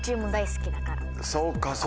そうかそうか。